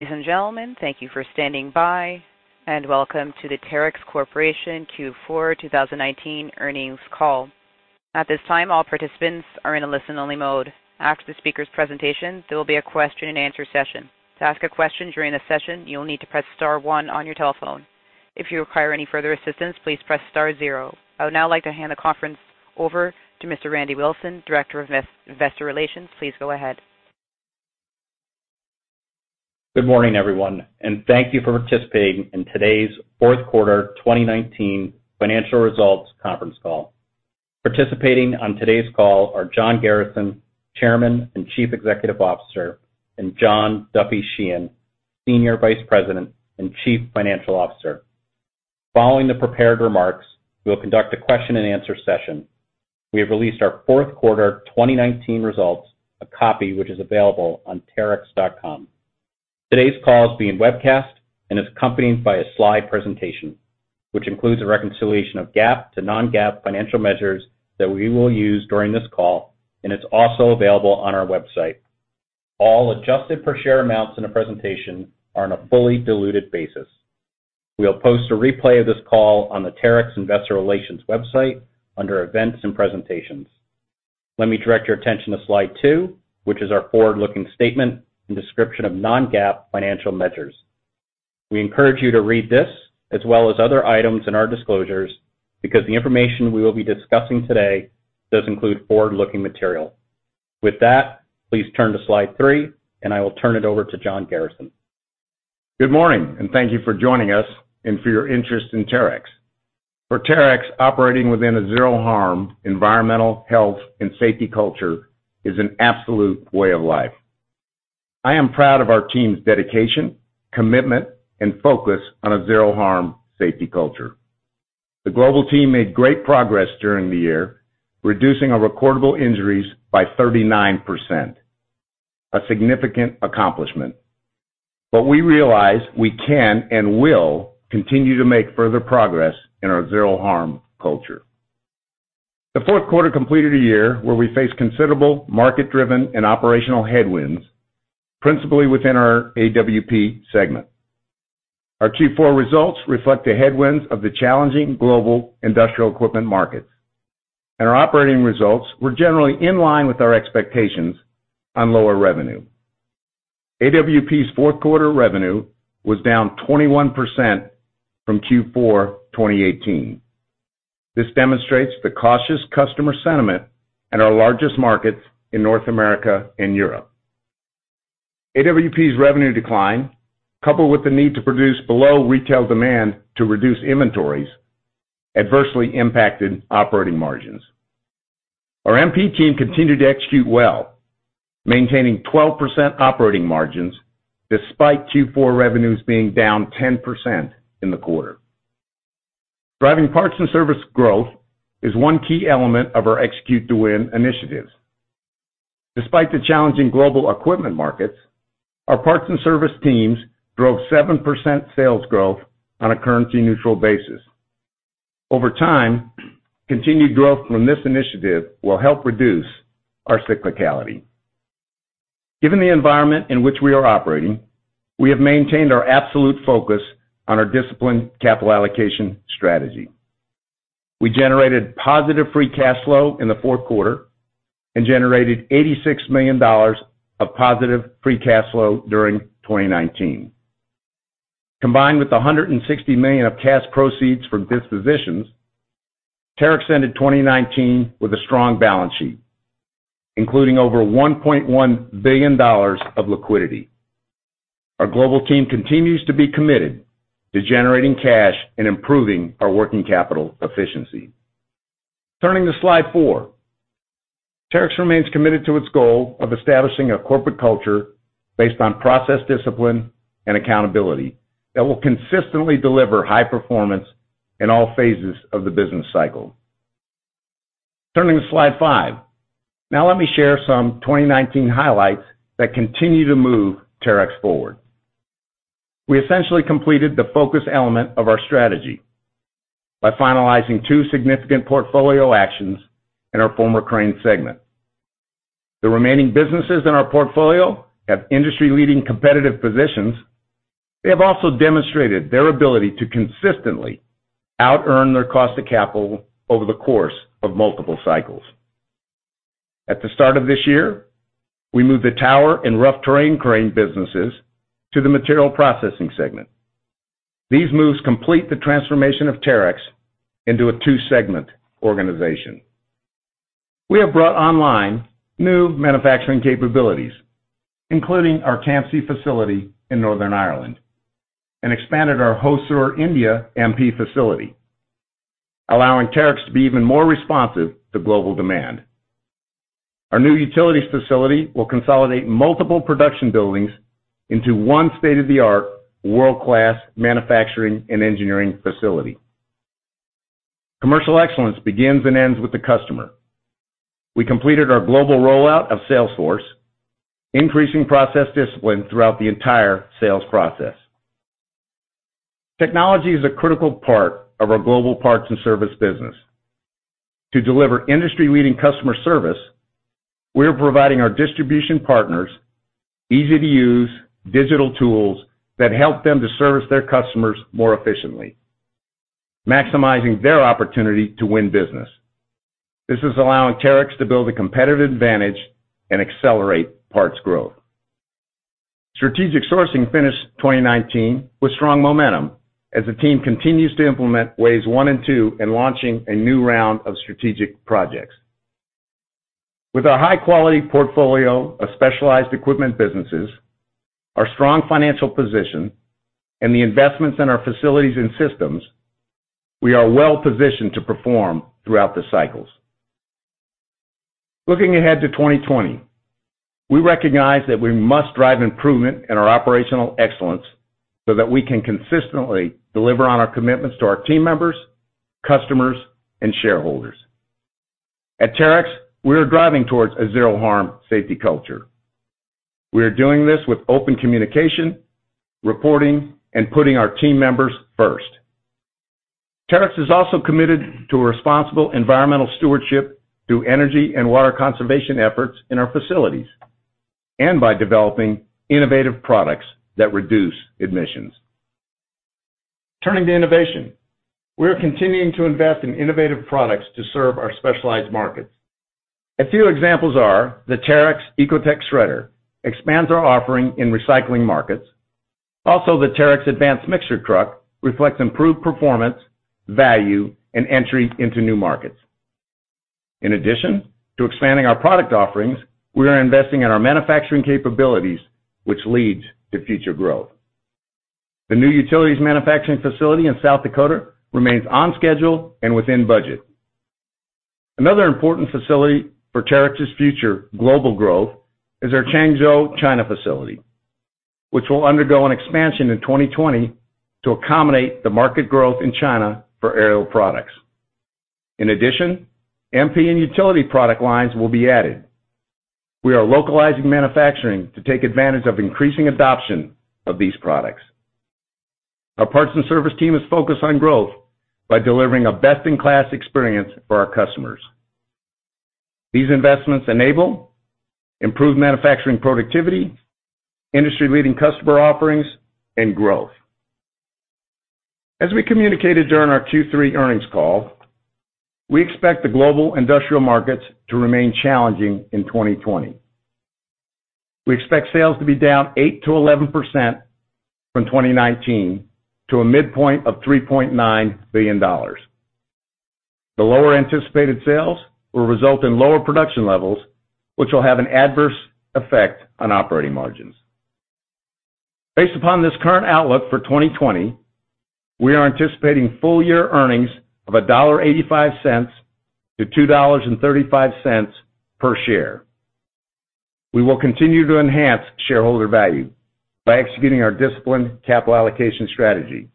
Ladies and gentlemen, thank you for standing by. Welcome to the Terex Corporation Q4 2019 earnings call. At this time, all participants are in a listen-only mode. After the speaker's presentation, there will be a question and answer session. To ask a question during the session, you will need to press star one on your telephone. If you require any further assistance, please press star zero. I would now like to hand the conference over to Mr. Randy Wilson, Director of Investor Relations. Please go ahead. Good morning, everyone, and thank you for participating in today's fourth quarter 2019 financial results conference call. Participating on today's call are John Garrison, Chairman and Chief Executive Officer, and John Duffy Sheehan, Senior Vice President and Chief Financial Officer. Following the prepared remarks, we will conduct a question and answer session. We have released our fourth quarter 2019 results, a copy which is available on terex.com. Today's call is being webcast and is accompanied by a slide presentation, which includes a reconciliation of GAAP to non-GAAP financial measures that we will use during this call, and it's also available on our website. All adjusted per share amounts in the presentation are on a fully diluted basis. We will post a replay of this call on the Terex Investor Relations website under Events and Presentations. Let me direct your attention to slide two, which is our forward-looking statement and description of non-GAAP financial measures. We encourage you to read this as well as other items in our disclosures because the information we will be discussing today does include forward-looking material. With that, please turn to slide three and I will turn it over to John Garrison. Good morning. Thank you for joining us and for your interest in Terex. For Terex, operating within a Zero Harm environmental, health, and safety culture is an absolute way of life. I am proud of our team's dedication, commitment, and focus on a Zero Harm safety culture. The global team made great progress during the year, reducing our recordable injuries by 39%, a significant accomplishment. We realize we can and will continue to make further progress in our Zero Harm culture. The fourth quarter completed a year where we faced considerable market-driven and operational headwinds, principally within our AWP segment. Our Q4 results reflect the headwinds of the challenging global industrial equipment markets, and our operating results were generally in line with our expectations on lower revenue. AWP's fourth quarter revenue was down 21% from Q4 2018. This demonstrates the cautious customer sentiment in our largest markets in North America and Europe. AWP's revenue decline, coupled with the need to produce below retail demand to reduce inventories, adversely impacted operating margins. Our MP team continued to execute well, maintaining 12% operating margins despite Q4 revenues being down 10% in the quarter. Driving parts and service growth is one key element of our Execute to Win initiatives. Despite the challenging global equipment markets, our parts and service teams drove 7% sales growth on a currency-neutral basis. Over time, continued growth from this initiative will help reduce our cyclicality. Given the environment in which we are operating, we have maintained our absolute focus on our disciplined capital allocation strategy. We generated positive free cash flow in the fourth quarter and generated $86 million of positive free cash flow during 2019. Combined with the $160 million of cash proceeds from dispositions, Terex ended 2019 with a strong balance sheet, including over $1.1 billion of liquidity. Our global team continues to be committed to generating cash and improving our working capital efficiency. Turning to slide four. Terex remains committed to its goal of establishing a corporate culture based on process discipline and accountability that will consistently deliver high performance in all phases of the business cycle. Turning to slide five. Let me share some 2019 highlights that continue to move Terex forward. We essentially completed the focus element of our strategy by finalizing two significant portfolio actions in our former crane segment. The remaining businesses in our portfolio have industry-leading competitive positions. They have also demonstrated their ability to consistently out earn their cost of capital over the course of multiple cycles. At the start of this year, we moved the tower and rough terrain crane businesses to the Materials Processing segment. These moves complete the transformation of Terex into a two-segment organization. We have brought online new manufacturing capabilities, including our Campsie facility in Northern Ireland, and expanded our Hosur, India, MP facility, allowing Terex to be even more responsive to global demand. Our new Utilities facility will consolidate multiple production buildings into one state-of-the-art, world-class manufacturing and engineering facility. Commercial excellence begins and ends with the customer. We completed our global rollout of Salesforce, increasing process discipline throughout the entire sales process. Technology is a critical part of our global parts and service business. To deliver industry-leading customer service, we are providing our distribution partners easy-to-use digital tools that help them to service their customers more efficiently, maximizing their opportunity to win business. This is allowing Terex to build a competitive advantage and accelerate parts growth. Strategic sourcing finished 2019 with strong momentum as the team continues to implement waves one and two in launching a new round of strategic projects. With our high-quality portfolio of specialized equipment businesses, our strong financial position, and the investments in our facilities and systems, we are well-positioned to perform throughout the cycles. Looking ahead to 2020, we recognize that we must drive improvement in our operational excellence so that we can consistently deliver on our commitments to our team members, customers, and shareholders. At Terex, we are driving towards a Zero Harm safety culture. We are doing this with open communication, reporting, and putting our team members first. Terex is also committed to responsible environmental stewardship through energy and water conservation efforts in our facilities and by developing innovative products that reduce emissions. Turning to innovation, we are continuing to invest in innovative products to serve our specialized markets. A few examples are the Terex Ecotec shredder expands our offering in recycling markets. The Terex Advance Mixer Truck reflects improved performance, value, and entry into new markets. In addition to expanding our product offerings, we are investing in our manufacturing capabilities, which leads to future growth. The new Utilities manufacturing facility in South Dakota remains on schedule and within budget. Another important facility for Terex's future global growth is our Changzhou, China facility, which will undergo an expansion in 2020 to accommodate the market growth in China for aerial products. In addition, MP and utility product lines will be added. We are localizing manufacturing to take advantage of increasing adoption of these products. Our parts and service team is focused on growth by delivering a best-in-class experience for our customers. These investments enable improved manufacturing productivity, industry-leading customer offerings, and growth. As we communicated during our Q3 earnings call, we expect the global industrial markets to remain challenging in 2020. We expect sales to be down 8%-11% from 2019 to a midpoint of $3.9 billion. The lower anticipated sales will result in lower production levels, which will have an adverse effect on operating margins. Based upon this current outlook for 2020, we are anticipating full-year earnings of $1.85 to $2.35 per share. We will continue to enhance shareholder value by executing our disciplined capital allocation strategy,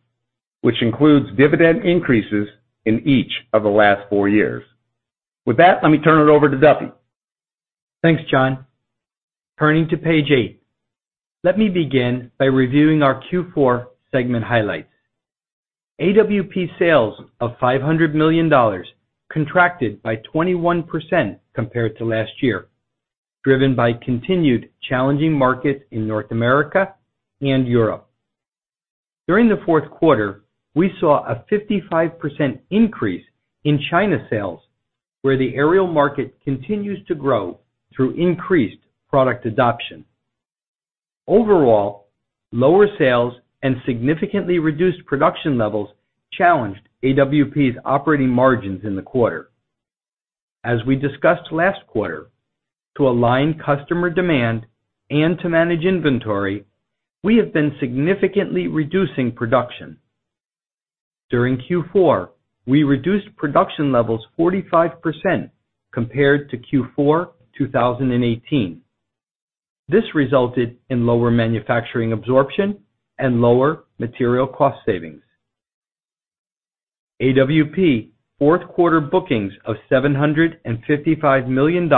which includes dividend increases in each of the last four years. With that, let me turn it over to Duffy. Thanks, John. Turning to page eight, let me begin by reviewing our Q4 segment highlights. AWP sales of $500 million contracted by 21% compared to last year, driven by continued challenging markets in North America and Europe. During the fourth quarter, we saw a 55% increase in China sales, where the aerial market continues to grow through increased product adoption. Overall, lower sales and significantly reduced production levels challenged AWP's operating margins in the quarter. As we discussed last quarter, to align customer demand and to manage inventory, we have been significantly reducing production. During Q4, we reduced production levels 45% compared to Q4 2018. This resulted in lower manufacturing absorption and lower material cost savings. AWP fourth quarter bookings of $755 million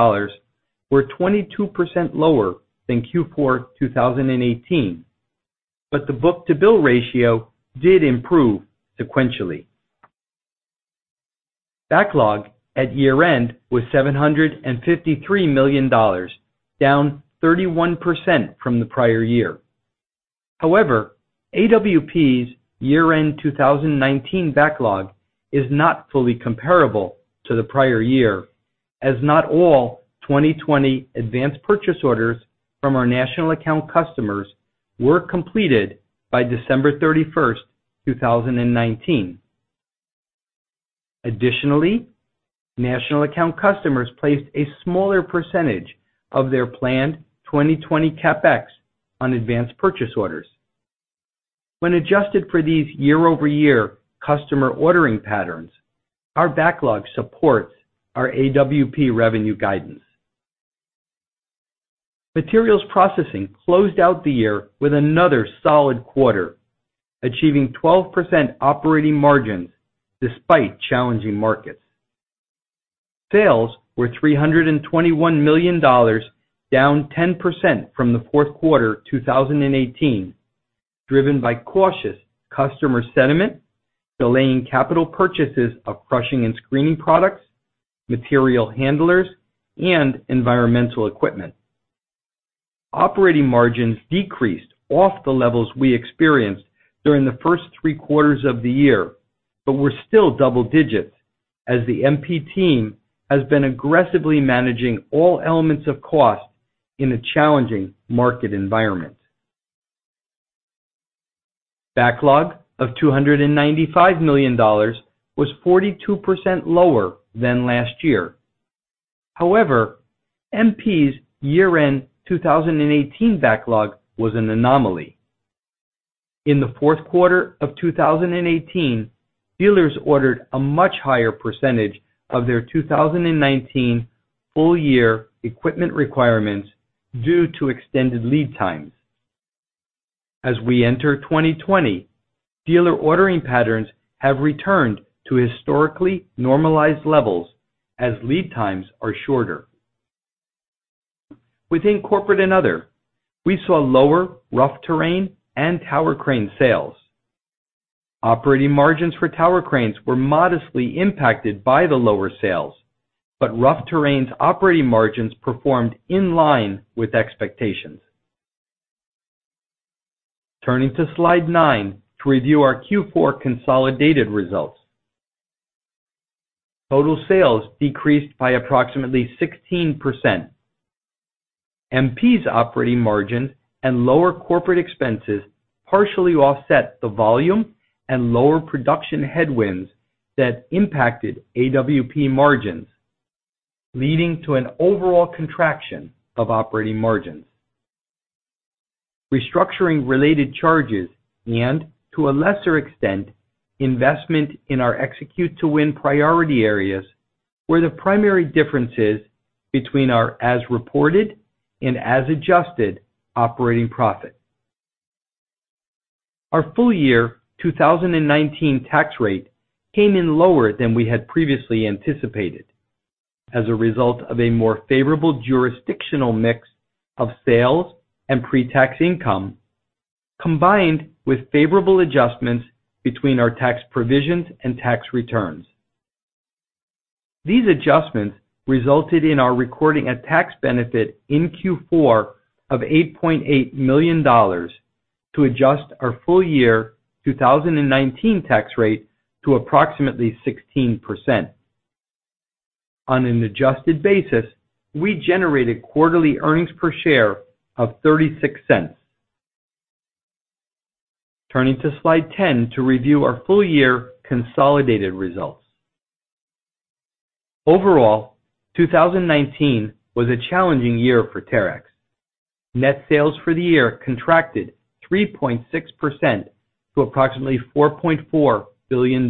were 22% lower than Q4 2018, but the book-to-bill ratio did improve sequentially. Backlog at year-end was $753 million, down 31% from the prior year. However, AWP's year-end 2019 backlog is not fully comparable to the prior year, as not all 2020 advance purchase orders from our national account customers were completed by December 31st, 2019. Additionally, national account customers placed a smaller percentage of their planned 2020 CapEx on advance purchase orders. When adjusted for these year-over-year customer ordering patterns, our backlog supports our AWP revenue guidance. Materials Processing closed out the year with another solid quarter, achieving 12% operating margins despite challenging markets. Sales were $321 million, down 10% from the fourth quarter 2018, driven by cautious customer sentiment, delaying capital purchases of crushing and screening products, material handlers, and environmental equipment. Operating margins decreased off the levels we experienced during the first three quarters of the year, but were still double digits as the MP team has been aggressively managing all elements of cost in a challenging market environment. Backlog of $295 million was 42% lower than last year. However, MP's year-end 2018 backlog was an anomaly. In the fourth quarter of 2018, dealers ordered a much higher percentage of their 2019 full year equipment requirements due to extended lead times. As we enter 2020, dealer ordering patterns have returned to historically normalized levels as lead times are shorter. Within corporate and other, we saw lower rough terrain and tower crane sales. Operating margins for tower cranes were modestly impacted by the lower sales, but rough terrain's operating margins performed in line with expectations. Turning to slide nine to review our Q4 consolidated results. Total sales decreased by approximately 16%. MP's operating margin and lower corporate expenses partially offset the volume and lower production headwinds that impacted AWP margins, leading to an overall contraction of operating margins. Restructuring related charges and, to a lesser extent, investment in our Execute to Win priority areas were the primary differences between our as reported and as adjusted operating profit. Our full year 2019 tax rate came in lower than we had previously anticipated as a result of a more favorable jurisdictional mix of sales and pre-tax income, combined with favorable adjustments between our tax provisions and tax returns. These adjustments resulted in our recording a tax benefit in Q4 of $8.8 million to adjust our full year 2019 tax rate to approximately 16%. On an adjusted basis, we generated quarterly earnings per share of $0.36. Turning to slide 10 to review our full year consolidated results. Overall, 2019 was a challenging year for Terex. Net sales for the year contracted 3.6% to approximately $4.4 billion.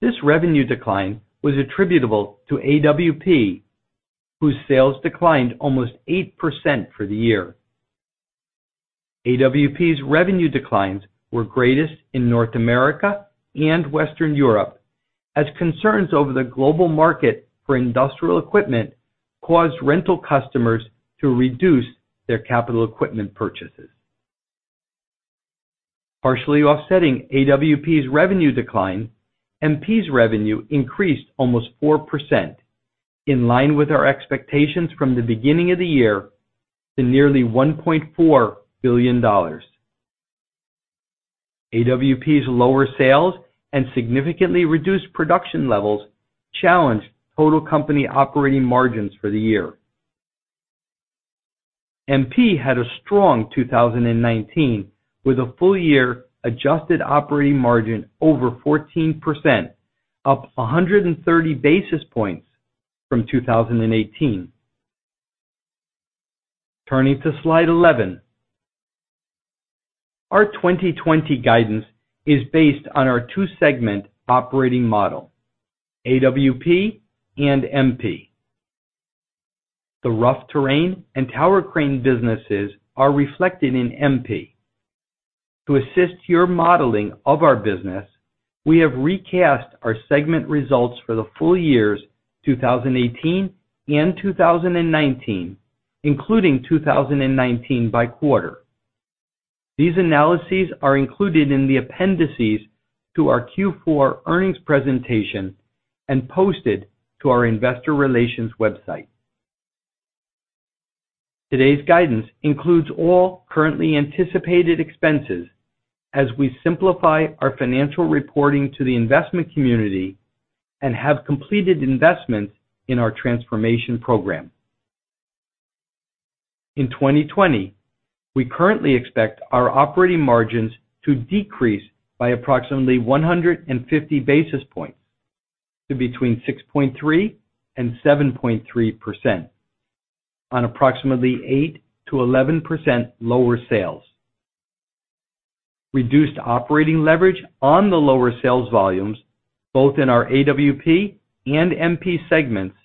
This revenue decline was attributable to AWP, whose sales declined almost 8% for the year. AWP's revenue declines were greatest in North America and Western Europe, as concerns over the global market for industrial equipment caused rental customers to reduce their capital equipment purchases. Partially offsetting AWP's revenue decline, MP's revenue increased almost 4%, in line with our expectations from the beginning of the year to nearly $1.4 billion. AWP's lower sales and significantly reduced production levels challenged total company operating margins for the year. MP had a strong 2019 with a full year adjusted operating margin over 14%, up 130 basis points from 2018. Turning to slide 11. Our 2020 guidance is based on our two-segment operating model, AWP and MP. The rough terrain and tower crane businesses are reflected in MP. To assist your modeling of our business, we have recast our segment results for the full years 2018 and 2019, including 2019 by quarter. These analyses are included in the appendices to our Q4 earnings presentation and posted to our investor relations website. Today's guidance includes all currently anticipated expenses as we simplify our financial reporting to the investment community and have completed investments in our transformation program. In 2020, we currently expect our operating margins to decrease by approximately 150 basis points to between 6.3% and 7.3% on approximately 8%-11% lower sales. Reduced operating leverage on the lower sales volumes both in our AWP and MP segments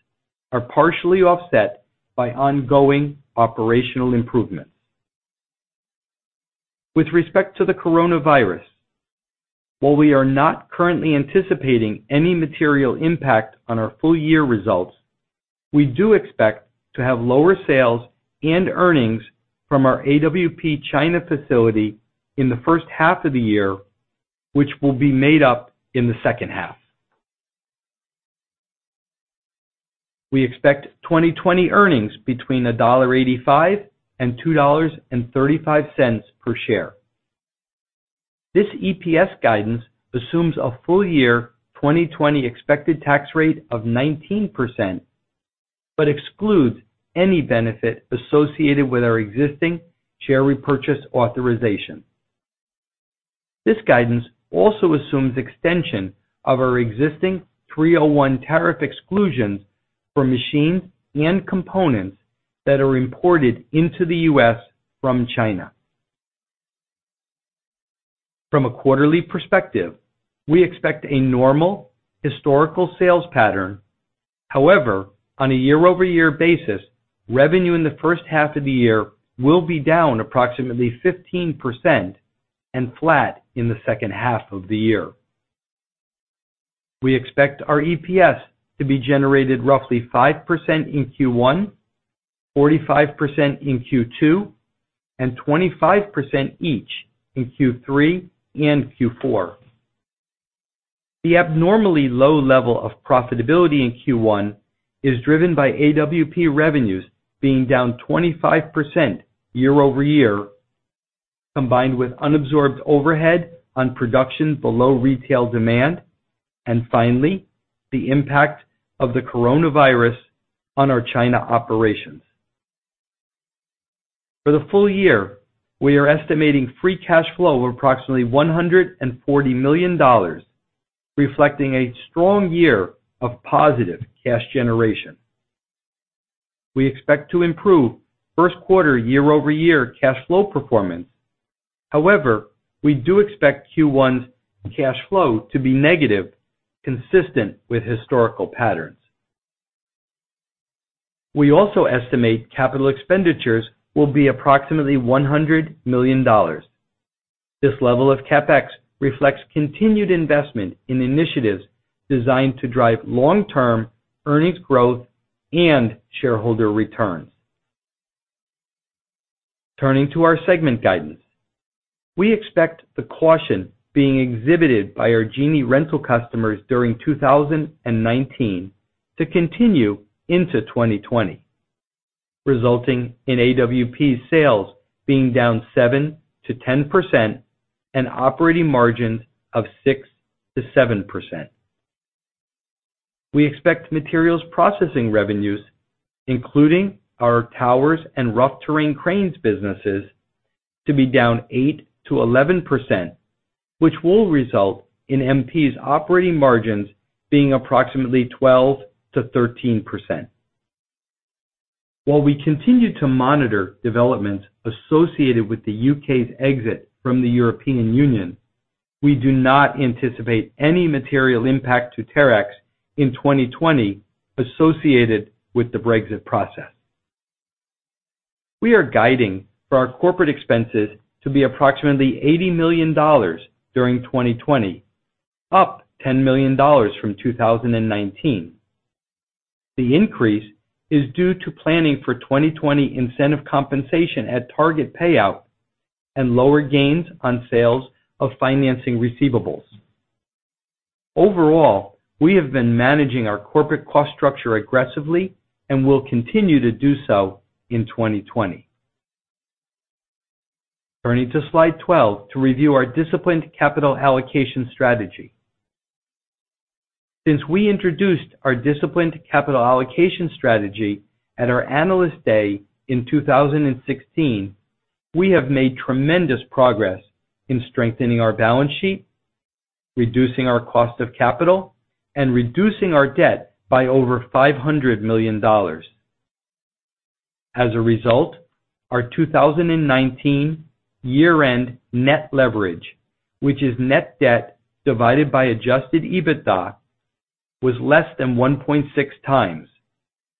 are partially offset by ongoing operational improvements. With respect to the coronavirus, while we are not currently anticipating any material impact on our full year results, we do expect to have lower sales and earnings from our AWP China facility in the first half of the year, which will be made up in the second half. We expect 2020 earnings between $1.85 and $2.35 per share. This EPS guidance assumes a full year 2020 expected tax rate of 19%, but excludes any benefit associated with our existing share repurchase authorization. This guidance also assumes extension of our existing 301 tariff exclusions for machines and components that are imported into the U.S. from China. From a quarterly perspective, we expect a normal historical sales pattern. However, on a year-over-year basis, revenue in the first half of the year will be down approximately 15% and flat in the second half of the year. We expect our EPS to be generated roughly 5% in Q1, 45% in Q2, and 25% each in Q3 and Q4. The abnormally low level of profitability in Q1 is driven by AWP revenues being down 25% year-over-year, combined with unabsorbed overhead on production below retail demand, and finally, the impact of the coronavirus on our China operations. For the full year, we are estimating free cash flow of approximately $140 million, reflecting a strong year of positive cash generation. We expect to improve first quarter year-over-year cash flow performance. However, we do expect Q1's cash flow to be negative, consistent with historical patterns. We also estimate capital expenditures will be approximately $100 million. This level of CapEx reflects continued investment in initiatives designed to drive long-term earnings growth and shareholder returns. Turning to our segment guidance. We expect the caution being exhibited by our Genie rental customers during 2019 to continue into 2020, resulting in AWP sales being down 7%-10% and operating margins of 6%-7%. We expect Materials Processing revenues, including our towers and rough terrain cranes businesses, to be down 8%-11%, which will result in MP's operating margins being approximately 12%-13%. While we continue to monitor developments associated with the U.K.'s exit from the European Union, we do not anticipate any material impact to Terex in 2020 associated with the Brexit process. We are guiding for our corporate expenses to be approximately $80 million during 2020, up $10 million from 2019. The increase is due to planning for 2020 incentive compensation at target payout and lower gains on sales of financing receivables. Overall, we have been managing our corporate cost structure aggressively and will continue to do so in 2020. Turning to slide 12 to review our disciplined capital allocation strategy. Since we introduced our disciplined capital allocation strategy at our Analyst Day in 2016, we have made tremendous progress in strengthening our balance sheet, reducing our cost of capital, and reducing our debt by over $500 million. As a result, our 2019 year-end net leverage, which is net debt divided by adjusted EBITDA, was less than 1.6 times,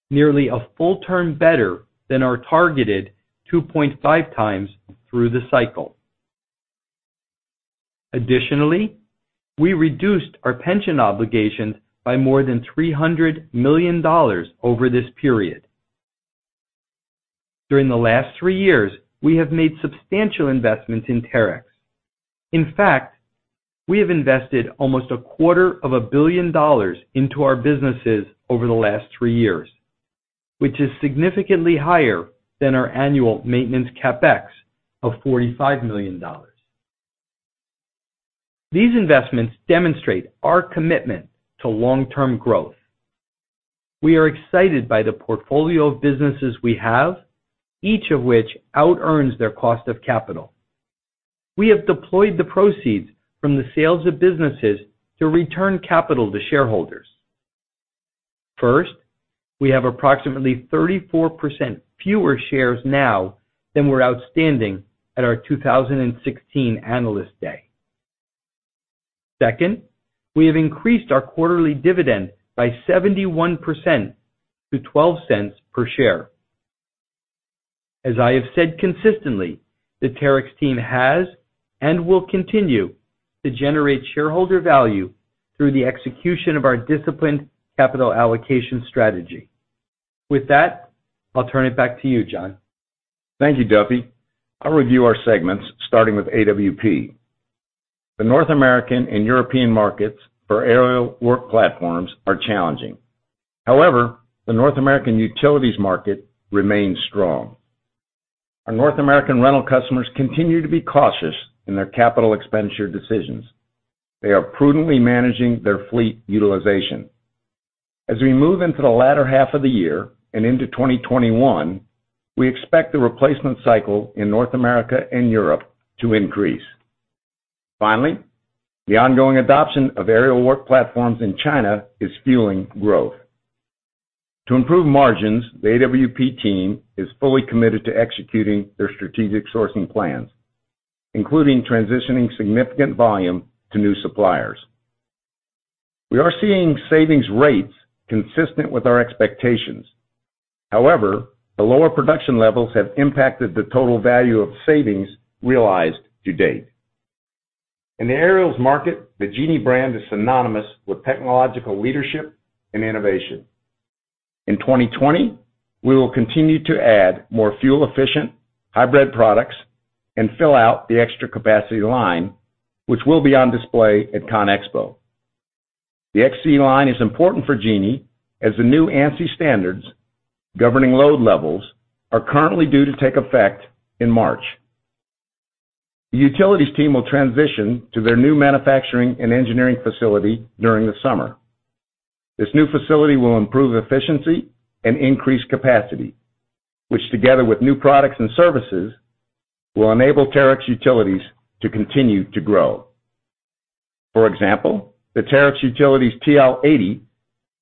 nearly a full turn better than our targeted 2.5 times through the cycle. Additionally, we reduced our pension obligations by more than $300 million over this period. During the last three years, we have made substantial investments in Terex. In fact, we have invested almost a quarter of a billion dollars into our businesses over the last three years, which is significantly higher than our annual maintenance CapEx of $45 million. These investments demonstrate our commitment to long-term growth. We are excited by the portfolio of businesses we have, each of which out earns their cost of capital. We have deployed the proceeds from the sales of businesses to return capital to shareholders. First, we have approximately 34% fewer shares now than were outstanding at our 2016 Analyst Day. Second, we have increased our quarterly dividend by 71% to $0.12 per share. As I have said consistently, the Terex team has and will continue to generate shareholder value through the execution of our disciplined capital allocation strategy. With that, I'll turn it back to you, John. Thank you, Duffy. I'll review our segments, starting with AWP. The North American and European markets for aerial work platforms are challenging. The North American utilities market remains strong. Our North American rental customers continue to be cautious in their capital expenditure decisions. They are prudently managing their fleet utilization. As we move into the latter half of the year and into 2021, we expect the replacement cycle in North America and Europe to increase. The ongoing adoption of aerial work platforms in China is fueling growth. To improve margins, the AWP team is fully committed to executing their strategic sourcing plans, including transitioning significant volume to new suppliers. We are seeing savings rates consistent with our expectations. The lower production levels have impacted the total value of savings realized to date. In the aerials market, the Genie brand is synonymous with technological leadership and innovation. In 2020, we will continue to add more fuel-efficient hybrid products and fill out the Xtra Capacity line, which will be on display at CONEXPO. The XC line is important for Genie, as the new ANSI standards governing load levels are currently due to take effect in March. The utilities team will transition to their new manufacturing and engineering facility during the summer. This new facility will improve efficiency and increase capacity, which, together with new products and services, will enable Terex Utilities to continue to grow. For example, the Terex Utilities TL80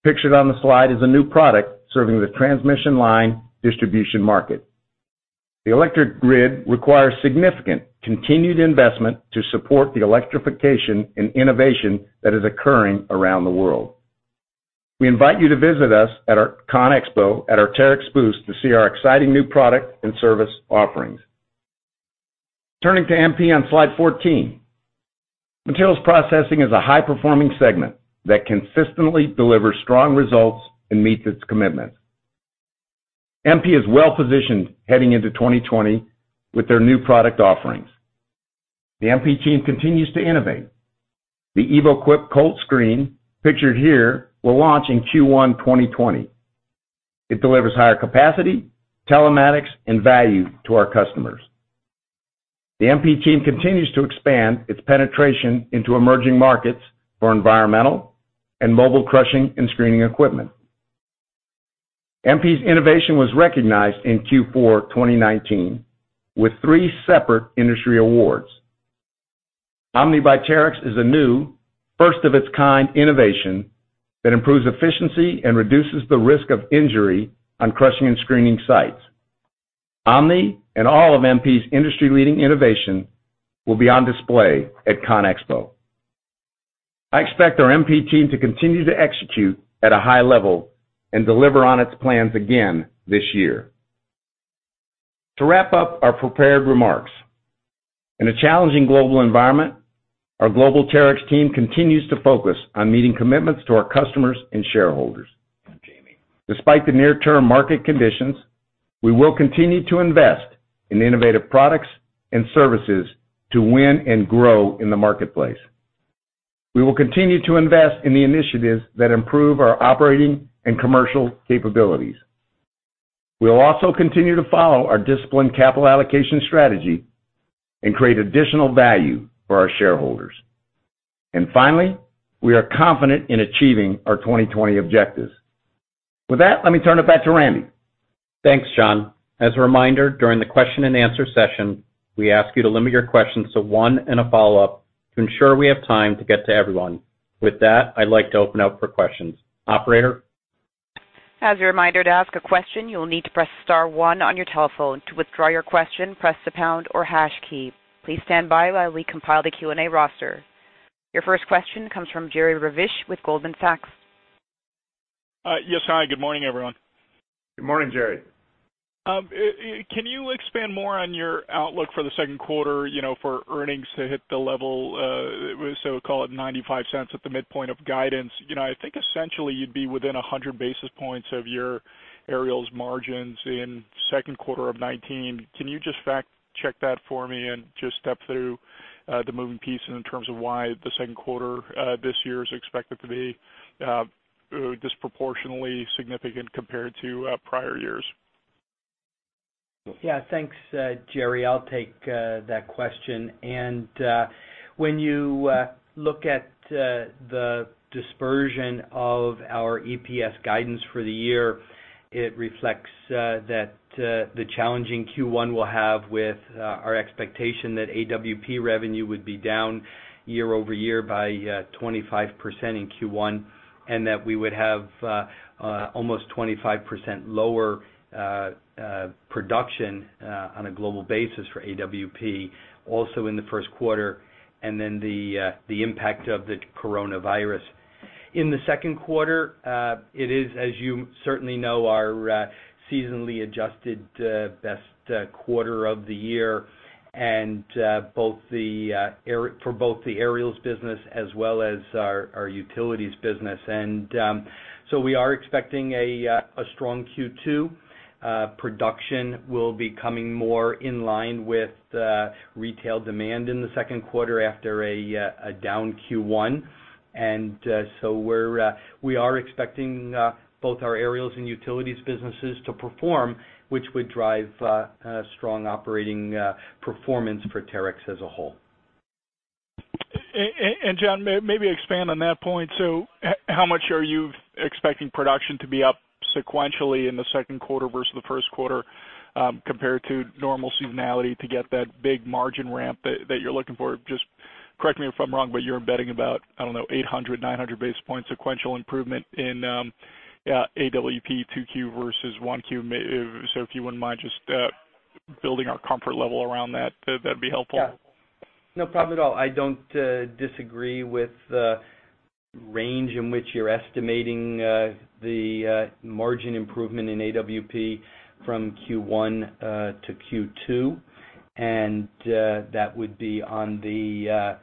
pictured on the slide is a new product serving the transmission line distribution market. The electric grid requires significant continued investment to support the electrification and innovation that is occurring around the world. We invite you to visit us at our CONEXPO at our Terex booth to see our exciting new product and service offerings. Turning to MP on slide 14. Materials Processing is a high-performing segment that consistently delivers strong results and meets its commitments. MP is well-positioned heading into 2020 with their new product offerings. The MP team continues to innovate. The EvoQuip Colt Screen pictured here will launch in Q1 2020. It delivers higher capacity, telematics, and value to our customers. The MP team continues to expand its penetration into emerging markets for environmental and mobile crushing and screening equipment. MP's innovation was recognized in Q4 2019 with three separate industry awards. OMNI by Terex is a new, first-of-its-kind innovation that improves efficiency and reduces the risk of injury on crushing and screening sites. OMNI and all of MP's industry-leading innovation will be on display at CONEXPO. I expect our MP team to continue to execute at a high level and deliver on its plans again this year. To wrap up our prepared remarks, in a challenging global environment, our global Terex team continues to focus on meeting commitments to our customers and shareholders. Despite the near-term market conditions, we will continue to invest in innovative products and services to win and grow in the marketplace. We will continue to invest in the initiatives that improve our operating and commercial capabilities. We'll also continue to follow our disciplined capital allocation strategy and create additional value for our shareholders. Finally, we are confident in achieving our 2020 objectives. With that, let me turn it back to Randy. Thanks, John. As a reminder, during the question and answer session, we ask you to limit your questions to one and a follow-up to ensure we have time to get to everyone. With that, I'd like to open up for questions. Operator? As a reminder, to ask a question, you'll need to press star one on your telephone. To withdraw your question, press the pound or hash key. Please stand by while we compile the Q&A roster. Your first question comes from Jerry Revich with Goldman Sachs. Yes. Hi, good morning, everyone. Good morning, Jerry. Can you expand more on your outlook for the second quarter, for earnings to hit the level, so call it $0.95 at the midpoint of guidance? I think essentially you'd be within 100 basis points of your aerials margins in second quarter of 2019. Can you just fact-check that for me and just step through the moving pieces in terms of why the second quarter this year is expected to be disproportionately significant compared to prior years? Thanks, Jerry. I'll take that question. When you look at the dispersion of our EPS guidance for the year, it reflects that the challenging Q1 we'll have with our expectation that AWP revenue would be down year-over-year by 25% in Q1, and that we would have almost 25% lower production on a global basis for AWP also in the first quarter. The impact of the coronavirus. In the second quarter, it is, as you certainly know, our seasonally adjusted best quarter of the year for both the Aerials business as well as our Utilities business. We are expecting a strong Q2. Production will be coming more in line with retail demand in the second quarter after a down Q1. We are expecting both our Aerials and Utilities businesses to perform, which would drive strong operating performance for Terex as a whole. John, maybe expand on that point. How much are you expecting production to be up sequentially in the second quarter versus the first quarter, compared to normal seasonality to get that big margin ramp that you're looking for? Just correct me if I'm wrong, but you're embedding about, I don't know, 800, 900 basis point sequential improvement in AWP 2Q versus 1Q. If you wouldn't mind just building our comfort level around that'd be helpful. Yeah. No problem at all. I don't disagree with the range in which you're estimating the margin improvement in AWP from Q1 to Q2, and that would be on the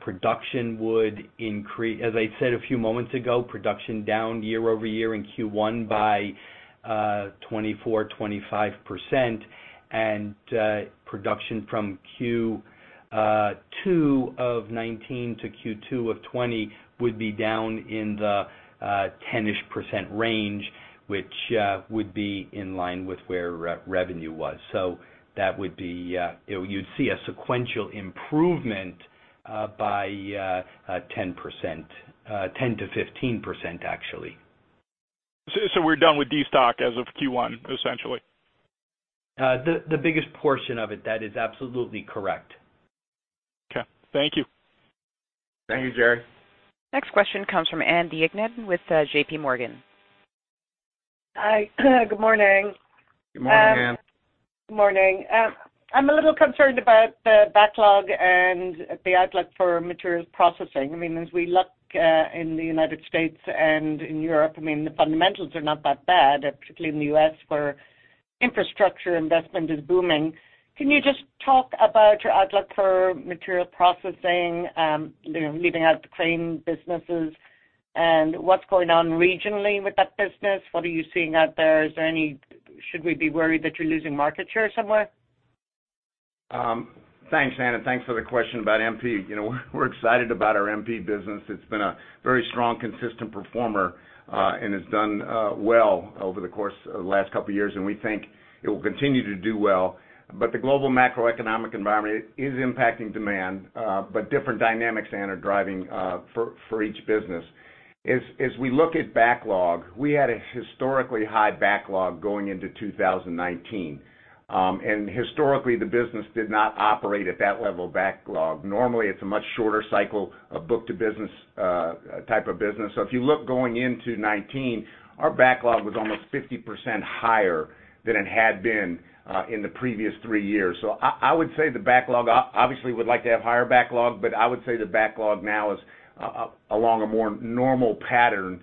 production would increase. As I said a few moments ago, production down year-over-year in Q1 by 24%, 25%, and production from Q2 of 2019 to Q2 of 2020 would be down in the 10-ish% range, which would be in line with where revenue was. You'd see a sequential improvement by 10%-15%, actually. We're done with destock as of Q1, essentially. The biggest portion of it. That is absolutely correct. Okay. Thank you. Thank you, Jerry. Next question comes from Ann Duignan with JPMorgan. Hi. Good morning. Good morning, Ann. Good morning. I'm a little concerned about the backlog and the outlook for Materials Processing. As we look in the U.S. and in Europe, the fundamentals are not that bad, particularly in the U.S., where infrastructure investment is booming. Can you just talk about your outlook for Materials Processing, leaving out the crane businesses and what's going on regionally with that business? What are you seeing out there? Should we be worried that you're losing market share somewhere? Thanks, Ann. Thanks for the question about MP. We're excited about our MP business. It's been a very strong, consistent performer, and has done well over the course of the last couple of years, and we think it will continue to do well. The global macroeconomic environment is impacting demand. Different dynamics and are driving for each business. As we look at backlog, we had a historically high backlog going into 2019. Historically, the business did not operate at that level of backlog. Normally, it's a much shorter cycle of book-to-business type of business. If you look going into 2019, our backlog was almost 50% higher than it had been in the previous three years. I would say the backlog, obviously, we'd like to have higher backlog, but I would say the backlog now is along a more normal pattern,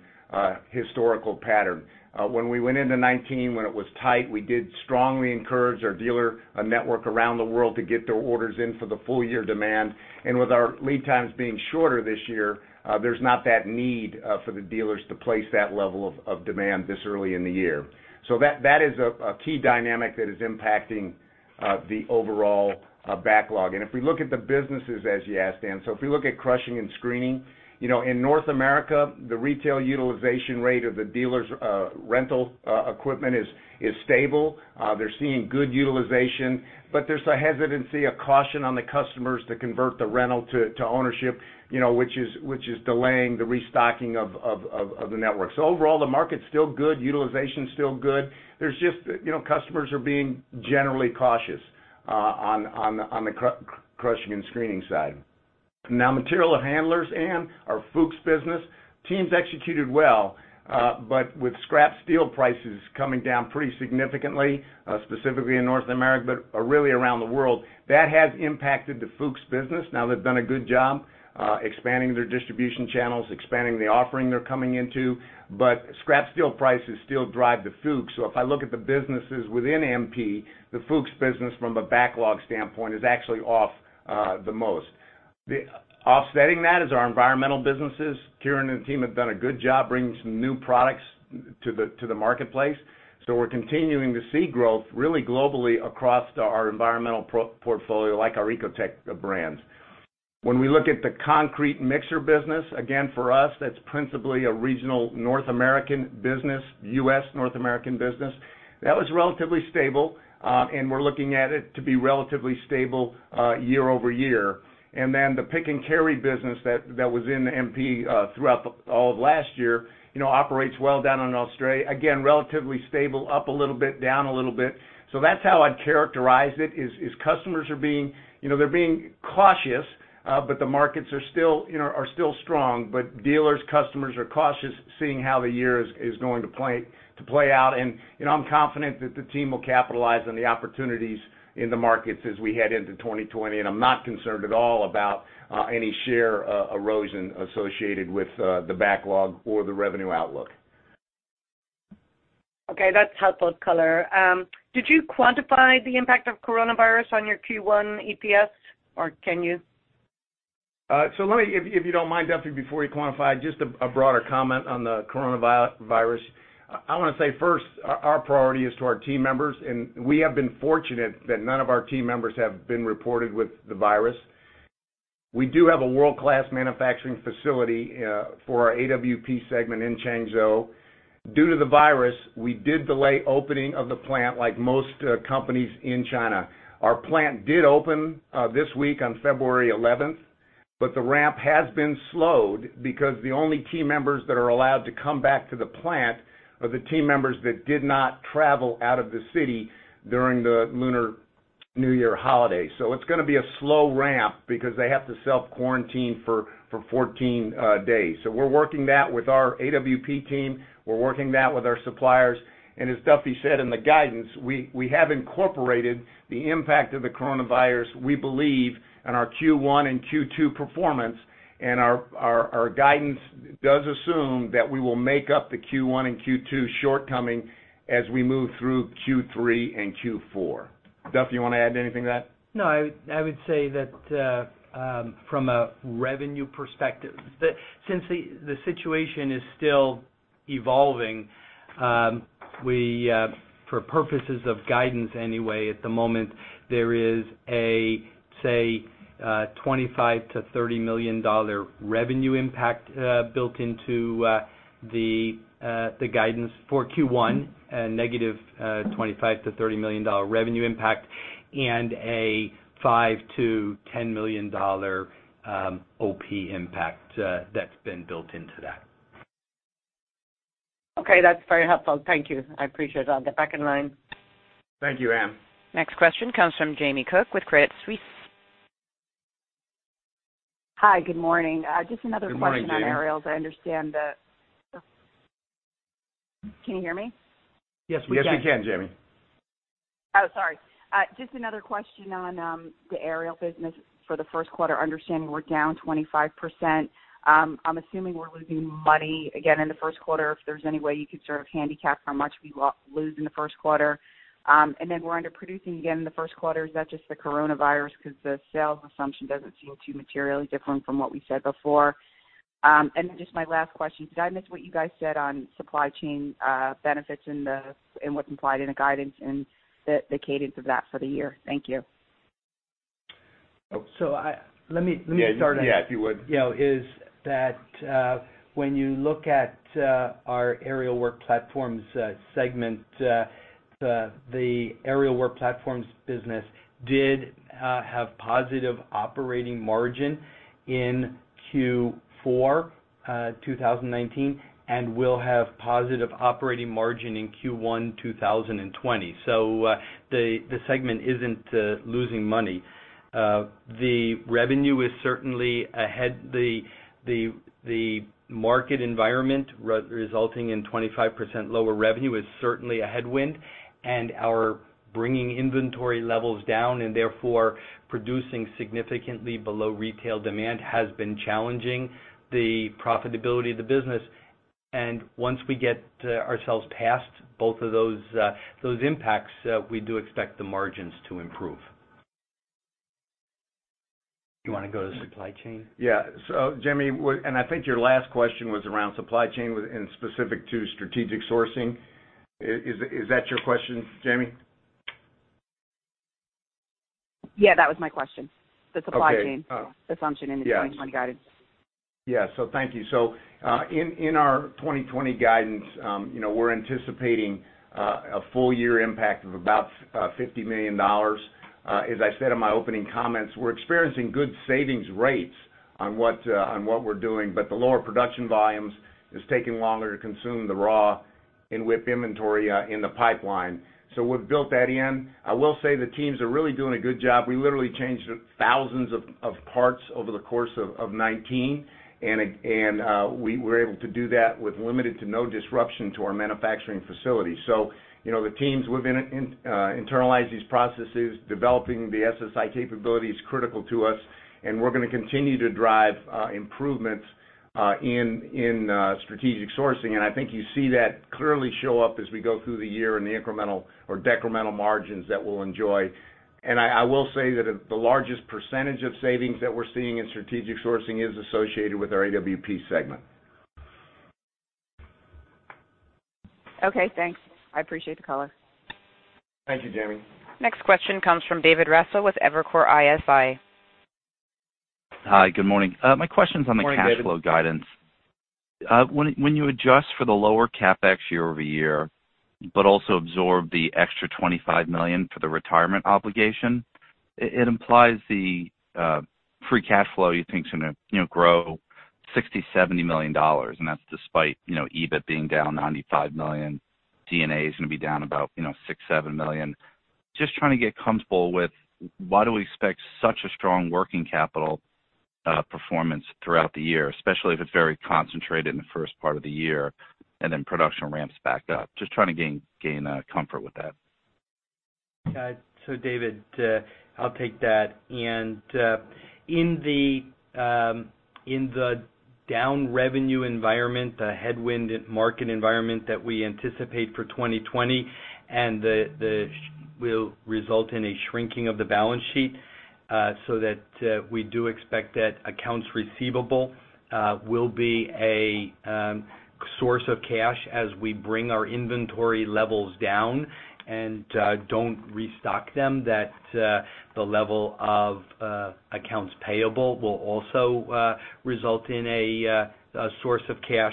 historical pattern. When we went into 2019, when it was tight, we did strongly encourage our dealer network around the world to get their orders in for the full year demand. With our lead times being shorter this year, there's not that need for the dealers to place that level of demand this early in the year. That is a key dynamic that is impacting the overall backlog. If we look at the businesses, as you asked, Ann, so if we look at crushing and screening, in North America, the retail utilization rate of the dealers' rental equipment is stable. They're seeing good utilization, but there's a hesitancy, a caution on the customers to convert the rental to ownership, which is delaying the restocking of the network. Overall, the market's still good, utilization's still good. There's just customers are being generally cautious on the crushing and screening side. Material handlers, Ann, our Fuchs business, teams executed well, but with scrap steel prices coming down pretty significantly, specifically in North America, but really around the world, that has impacted the Fuchs business. They've done a good job expanding their distribution channels, expanding the offering they're coming into, but scrap steel prices still drive the Fuchs. If I look at the businesses within MP, the Fuchs business from a backlog standpoint is actually off the most. Offsetting that is our environmental businesses. Kieran and team have done a good job bringing some new products to the marketplace. We're continuing to see growth really globally across our environmental portfolio, like our Ecotec brands. When we look at the concrete mixer business, again, for us, that's principally a regional North American business, U.S. North American business. That was relatively stable. We're looking at it to be relatively stable year-over-year. The pick and carry business that was in MP throughout all of last year, operates well down in Australia. Again, relatively stable, up a little bit, down a little bit. That's how I'd characterize it, is customers are being cautious, but the markets are still strong. Dealers, customers are cautious seeing how the year is going to play out. I'm confident that the team will capitalize on the opportunities in the markets as we head into 2020, and I'm not concerned at all about any share erosion associated with the backlog or the revenue outlook. Okay, that's helpful color. Did you quantify the impact of coronavirus on your Q1 EPS, or can you? Let me, if you don't mind, Duffy, before we quantify, just a broader comment on the coronavirus. I want to say first, our priority is to our team members, and we have been fortunate that none of our team members have been reported with the virus. We do have a world-class manufacturing facility for our AWP segment in Changzhou. Due to the virus, we did delay opening of the plant like most companies in China. Our plant did open this week on February 11th, but the ramp has been slowed because the only team members that are allowed to come back to the plant are the team members that did not travel out of the city during the Lunar New Year holiday. It's going to be a slow ramp because they have to self-quarantine for 14 days. We're working that with our AWP team. We're working that with our suppliers. As Duffy said in the guidance, we have incorporated the impact of the coronavirus, we believe, in our Q1 and Q2 performance. Our guidance does assume that we will make up the Q1 and Q2 shortcoming as we move through Q3 and Q4. Duff, you want to add anything to that? No, I would say that from a revenue perspective, since the situation is still evolving, for purposes of guidance anyway at the moment, there is a, say, $25 million-$30 million revenue impact built into the guidance for Q1, a negative $25 million-$30 million revenue impact, and a $5 million-$10 million OP impact that's been built into that. Okay, that's very helpful. Thank you. I appreciate it. I'll get back in line. Thank you, Ann. Next question comes from Jamie Cook with Credit Suisse. Hi. Good morning. Good morning, Jamie. Just another question on Aerial. Can you hear me? Yes, we can, Jamie. Oh, sorry. Just another question on the Aerial business for the first quarter. Understanding we're down 25%, I'm assuming we're losing money again in the first quarter. If there's any way you could sort of handicap how much we lose in the first quarter? We're underproducing again in the first quarter. Is that just the coronavirus? The sales assumption doesn't seem too materially different from what we said before. Just my last question, did I miss what you guys said on supply chain benefits and what's implied in the guidance and the cadence of that for the year? Thank you. Let me start. Yeah, if you would. When you look at our Aerial Work Platforms segment, the Aerial Work Platforms business did have positive operating margin in Q4 2019 and will have positive operating margin in Q1 2020. The segment isn't losing money. The market environment resulting in 25% lower revenue is certainly a headwind, and our bringing inventory levels down and therefore producing significantly below retail demand has been challenging the profitability of the business. Once we get ourselves past both of those impacts, we do expect the margins to improve. Do you want to go to supply chain? Yeah. Jamie, and I think your last question was around supply chain and specific to strategic sourcing. Is that your question, Jamie? Yeah, that was my question. Okay. The supply chain assumption in the 2020 guidance. Thank you. In our 2020 guidance, we're anticipating a full-year impact of about $50 million. As I said in my opening comments, we're experiencing good savings rates on what we're doing, the lower production volumes is taking longer to consume the raw and WIP inventory in the pipeline. We've built that in. I will say the teams are really doing a good job. We literally changed thousands of parts over the course of 2019, we were able to do that with limited to no disruption to our manufacturing facility. The teams we've internalized these processes, developing the SSI capability is critical to us, we're going to continue to drive improvements in strategic sourcing. I think you see that clearly show up as we go through the year in the incremental or decremental margins that we'll enjoy. I will say that the largest percentage of savings that we're seeing in strategic sourcing is associated with our AWP segment. Okay, thanks. I appreciate the color. Thank you, Jamie. Next question comes from David Raso with Evercore ISI. Hi. Good morning. Good morning, David. My question's on the cash flow guidance. When you adjust for the lower CapEx year-over-year, but also absorb the extra $25 million for the retirement obligation, it implies the free cash flow you think is going to grow $60, $70 million, and that's despite EBIT being down $95 million. D&A is going to be down about $6, $7 million. Just trying to get comfortable with why do we expect such a strong working capital performance throughout the year, especially if it's very concentrated in the first part of the year and then production ramps back up? Just trying to gain comfort with that. David, I'll take that. In the down revenue environment, the headwind market environment that we anticipate for 2020, and will result in a shrinking of the balance sheet, so that we do expect that accounts receivable will be a source of cash as we bring our inventory levels down and don't restock them, that the level of accounts payable will also result in a source of cash.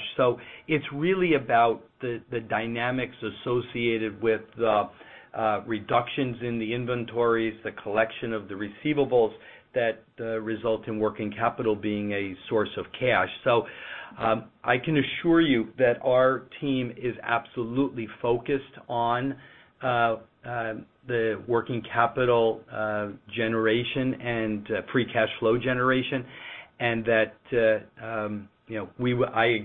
It's really about the dynamics associated with the reductions in the inventories, the collection of the receivables that result in working capital being a source of cash. I can assure you that our team is absolutely focused on the working capital generation and free cash flow generation, and that I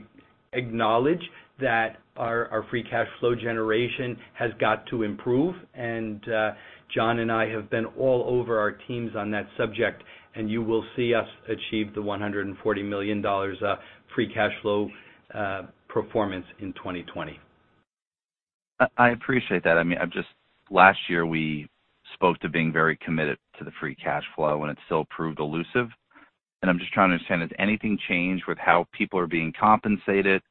acknowledge that our free cash flow generation has got to improve. John and I have been all over our teams on that subject, and you will see us achieve the $140 million free cash flow performance in 2020. I appreciate that. Last year, we spoke to being very committed to the free cash flow, and it still proved elusive, and I'm just trying to understand if anything changed with how people are being compensated,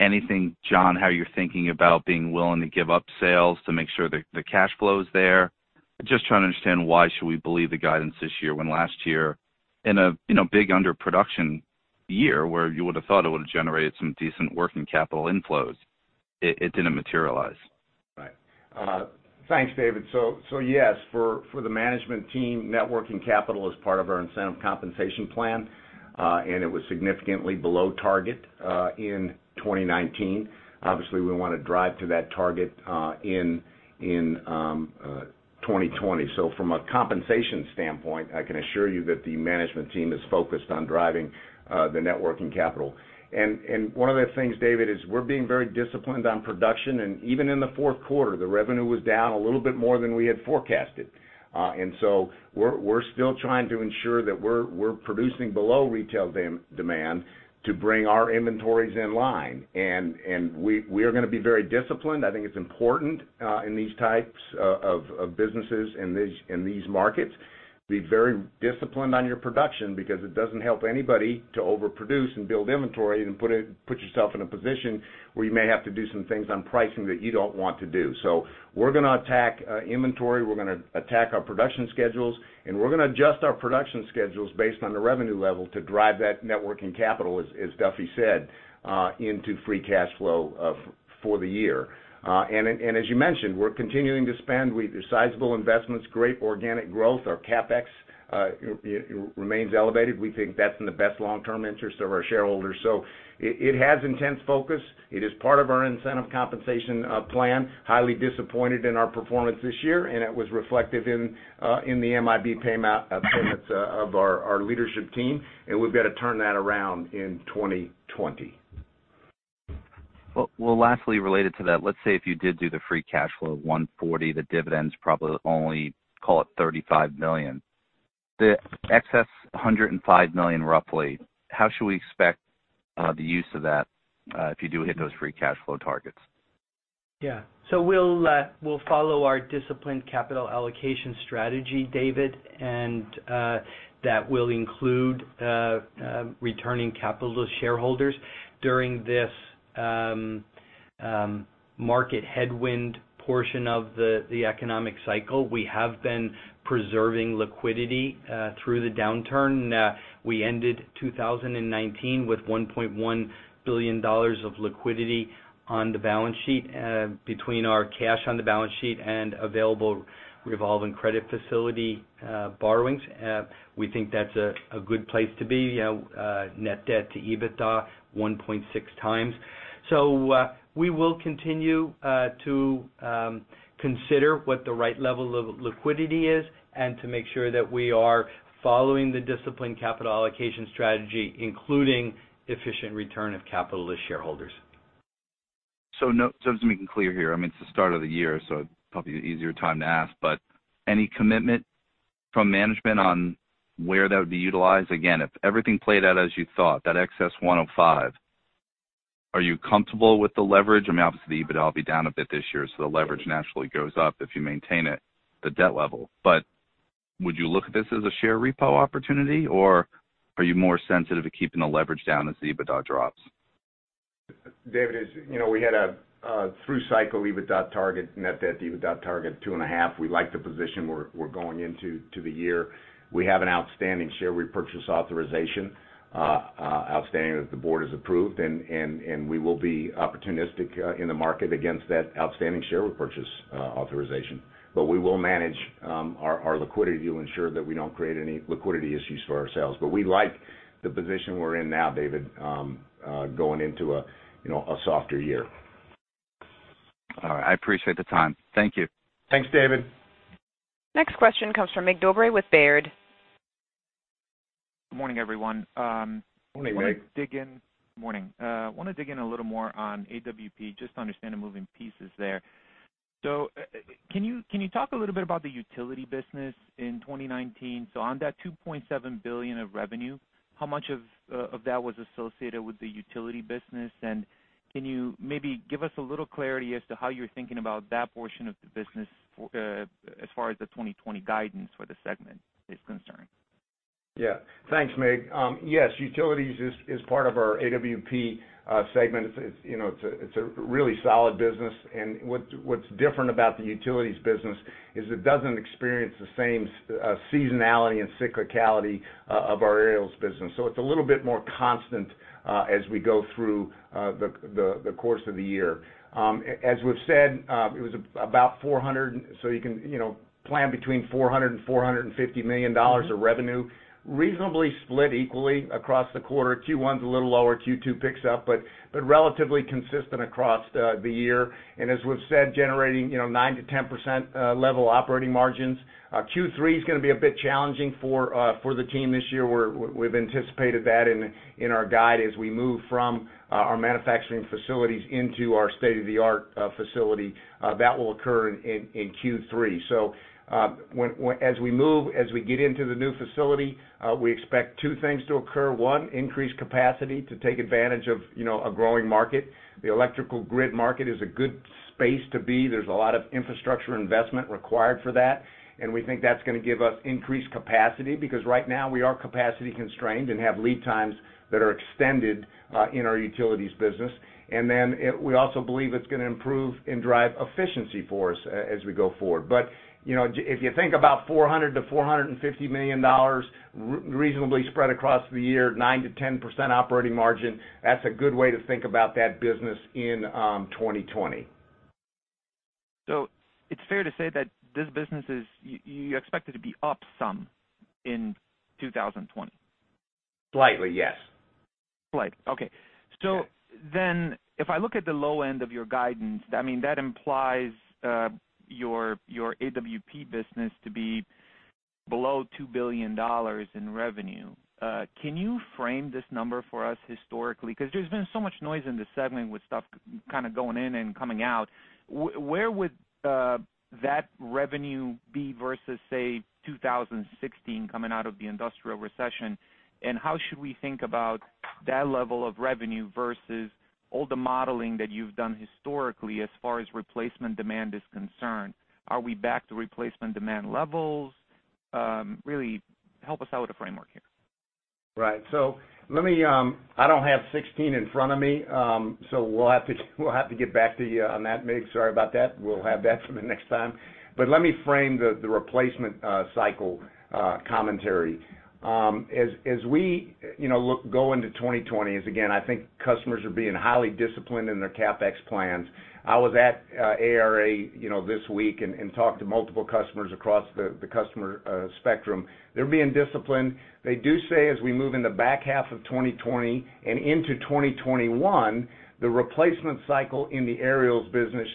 anything, John, how you're thinking about being willing to give up sales to make sure the cash flow is there? I'm just trying to understand why should we believe the guidance this year when last year in a big underproduction year where you would've thought it would've generated some decent working capital inflows, it didn't materialize? Right. Thanks, David. Yes, for the management team, net working capital is part of our incentive compensation plan. It was significantly below target in 2019. Obviously, we want to drive to that target in 2020. From a compensation standpoint, I can assure you that the management team is focused on driving the net working capital. One of the things, David, is we're being very disciplined on production, and even in the fourth quarter, the revenue was down a little bit more than we had forecasted. We're still trying to ensure that we're producing below retail demand to bring our inventories in line. We are going to be very disciplined. I think it's important in these types of businesses, in these markets, be very disciplined on your production because it doesn't help anybody to overproduce and build inventory and put yourself in a position where you may have to do some things on pricing that you don't want to do. We're going to attack inventory, we're going to attack our production schedules, and we're going to adjust our production schedules based on the revenue level to drive that net working capital, as Duffy said, into free cash flow for the year. As you mentioned, we're continuing to spend with sizable investments, great organic growth. Our CapEx remains elevated. We think that's in the best long-term interest of our shareholders. It has intense focus. It is part of our incentive compensation plan. Highly disappointed in our performance this year. It was reflective in the MIP payments of our leadership team. We've got to turn that around in 2020. Well, lastly, related to that, let's say if you did do the free cash flow of $140, the dividend's probably only, call it, $35 million. The excess $105 million, roughly, how should we expect the use of that if you do hit those free cash flow targets? We'll follow our disciplined capital allocation strategy, David, and that will include returning capital to shareholders during this market headwind portion of the economic cycle. We have been preserving liquidity through the downturn. We ended 2019 with $1.1 billion of liquidity on the balance sheet between our cash on the balance sheet and available revolving credit facility borrowings. We think that's a good place to be. Net debt to EBITDA, 1.6 times. We will continue to consider what the right level of liquidity is and to make sure that we are following the disciplined capital allocation strategy, including efficient return of capital to shareholders. Just making clear here, it's the start of the year, so probably the easier time to ask, but any commitment from management on where that would be utilized? Again, if everything played out as you thought, that excess $105, are you comfortable with the leverage? Obviously, the EBITDA will be down a bit this year, so the leverage naturally goes up if you maintain it, the debt level. Would you look at this as a share repo opportunity, or are you more sensitive to keeping the leverage down as the EBITDA drops? David, we had a through cycle EBITDA target, net debt to EBITDA target of 2.5. We like the position we're going into the year. We have an outstanding share repurchase authorization that the board has approved. We will be opportunistic in the market against that outstanding share repurchase authorization. We will manage our liquidity to ensure that we don't create any liquidity issues for ourselves. We like the position we're in now, David, going into a softer year. All right. I appreciate the time. Thank you. Thanks, David. Next question comes from Mig Dobre with Baird. Good morning, everyone. Morning, Mig. Morning. I want to dig in a little more on AWP, just to understand the moving pieces there. Can you talk a little bit about the utility business in 2019? On that $2.7 billion of revenue, how much of that was associated with the utility business? Can you maybe give us a little clarity as to how you're thinking about that portion of the business as far as the 2020 guidance for the segment is concerned? Yeah. Thanks, Mig. Yes, Utilities is part of our AWP segment. It's a really solid business, and what's different about the Utilities business is it doesn't experience the same seasonality and cyclicality of our Aerials business. It's a little bit more constant as we go through the course of the year. As we've said, it was about $400 million, so you can plan between $400 million and $450 million of revenue, reasonably split equally across the quarter. Q1's a little lower, Q2 picks up, but relatively consistent across the year. As we've said, generating 9%-10% level operating margins. Q3 is going to be a bit challenging for the team this year. We've anticipated that in our guide as we move from our manufacturing facilities into our state-of-the-art facility. That will occur in Q3. As we get into the new facility, we expect two things to occur. One, increase capacity to take advantage of a growing market. The electrical grid market is a good space to be. There's a lot of infrastructure investment required for that, and we think that's going to give us increased capacity, because right now we are capacity constrained and have lead times that are extended in our Utilities business. Then we also believe it's going to improve and drive efficiency for us as we go forward. But if you think about $400 million-$450 million reasonably spread across the year, 9%-10% operating margin, that's a good way to think about that business in 2020. It's fair to say that this business is, you expect it to be up some in 2020? Slightly, yes. Slightly. Okay. Yes. If I look at the low end of your guidance, that implies your AWP business to be below $2 billion in revenue. Can you frame this number for us historically? Because there's been so much noise in this segment with stuff kind of going in and coming out. Where would that revenue be versus, say, 2016 coming out of the industrial recession? How should we think about that level of revenue versus all the modeling that you've done historically as far as replacement demand is concerned? Are we back to replacement demand levels? Really help us out with a framework here. Right. I don't have '16 in front of me, so we'll have to get back to you on that, Mig. Sorry about that. We'll have that for the next time. Let me frame the replacement cycle commentary. As we go into 2020, as again, I think customers are being highly disciplined in their CapEx plans. I was at ARA this week and talked to multiple customers across the customer spectrum. They're being disciplined. They do say, as we move in the back half of 2020 and into 2021, the replacement cycle in the aerials business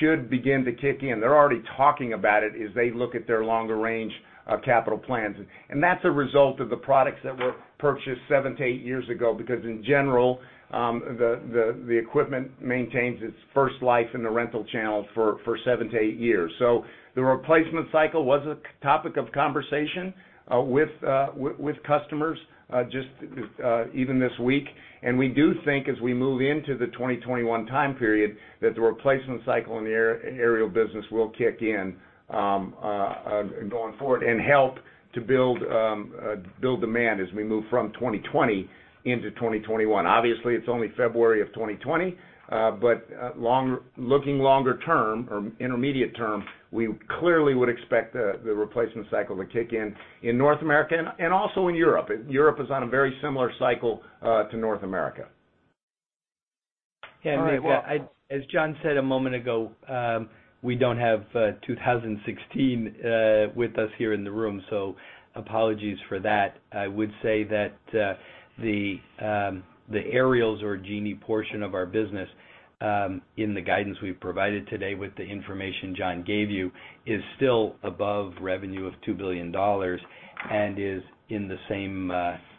should begin to kick in. They're already talking about it as they look at their longer range capital plans. That's a result of the products that were purchased seven to eight years ago, because in general, the equipment maintains its first life in the rental channel for seven to eight years. The replacement cycle was a topic of conversation with customers just even this week. We do think as we move into the 2021 time period, that the replacement cycle in the aerial business will kick in going forward and help to build demand as we move from 2020 into 2021. Obviously, it's only February of 2020. Looking longer term or intermediate term, we clearly would expect the replacement cycle to kick in in North America and also in Europe. Europe is on a very similar cycle to North America. All right. Yeah, Mig, as John said a moment ago, we don't have 2016 with us here in the room. Apologies for that. I would say that the aerials or Genie portion of our business, in the guidance we've provided today with the information John gave you, is still above revenue of $2 billion and is in the same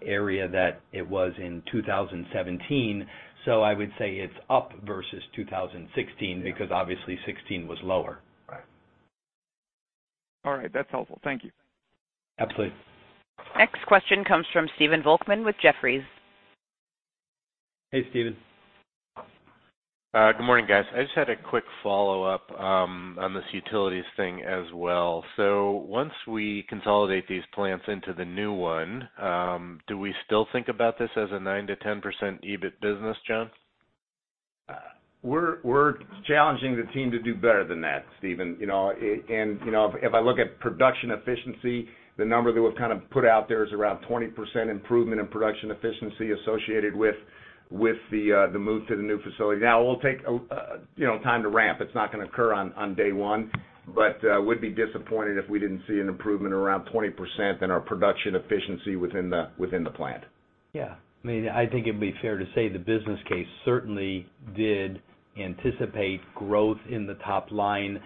area that it was in 2017. I would say it's up versus 2016, because obviously 2016 was lower. Right. All right, that's helpful. Thank you. Absolutely. Next question comes from Stephen Volkmann with Jefferies. Hey, Stephen. Good morning, guys. I just had a quick follow-up on this Utilities thing as well. Once we consolidate these plants into the new one, do we still think about this as a 9%-10% EBIT business, John? We're challenging the team to do better than that, Stephen. If I look at production efficiency, the number that we've kind of put out there is around 20% improvement in production efficiency associated with the move to the new facility. It will take time to ramp. It's not going to occur on day one, but would be disappointed if we didn't see an improvement around 20% in our production efficiency within the plant. Yeah. I think it'd be fair to say the business case certainly did anticipate growth in the top line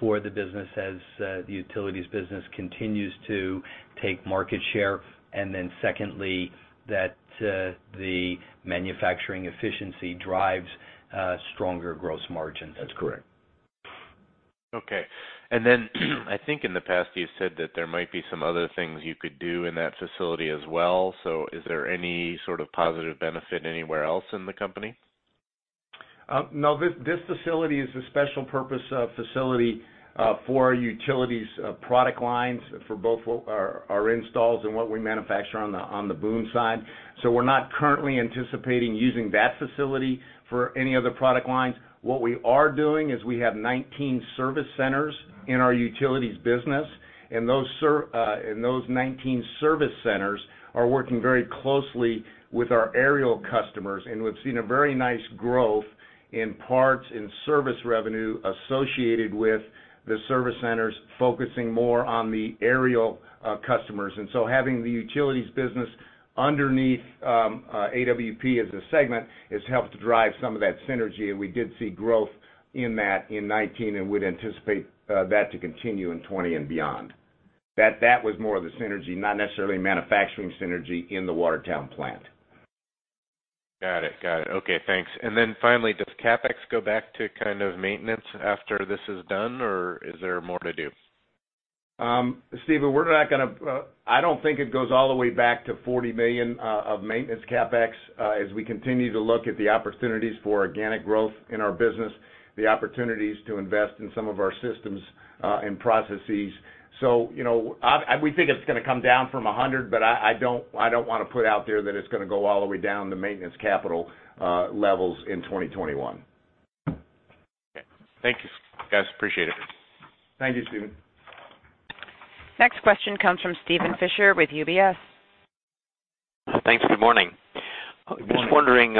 for the business as the utilities business continues to take market share. Secondly, that the manufacturing efficiency drives stronger gross margin. That's correct. Okay. I think in the past you've said that there might be some other things you could do in that facility as well. Is there any sort of positive benefit anywhere else in the company? No, this facility is a special purpose facility for our utilities product lines for both our installs and what we manufacture on the boom side. We're not currently anticipating using that facility for any other product lines. What we are doing is we have 19 service centers in our utilities business, those 19 service centers are working very closely with our aerial customers. We've seen a very nice growth in parts and service revenue associated with the service centers focusing more on the aerial customers. Having the utilities business underneath AWP as a segment has helped to drive some of that synergy. We did see growth in that in 2019, and we'd anticipate that to continue in 2020 and beyond. That was more of the synergy, not necessarily manufacturing synergy in the Watertown plant. Got it. Okay, thanks. Finally, does CapEx go back to kind of maintenance after this is done, or is there more to do? Stephen, I don't think it goes all the way back to $40 million of maintenance CapEx as we continue to look at the opportunities for organic growth in our business, the opportunities to invest in some of our systems and processes. We think it's going to come down from $100 million, but I don't want to put out there that it's going to go all the way down to maintenance capital levels in 2021. Okay. Thank you, guys. Appreciate it. Thank you, Steven. Next question comes from Steven Fisher with UBS. Thanks. Good morning. Good morning. Just wondering,